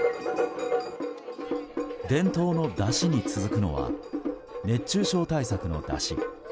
伝統の山車に続くのは熱中症対策の山車。